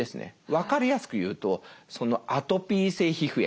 分かりやすく言うと「アトピー性皮膚炎」。